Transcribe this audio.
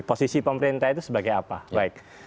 posisi pemerintah itu sebagai apa